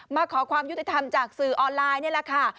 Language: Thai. ขอความยุติธรรมจากสื่อออนไลน์นี่แหละค่ะ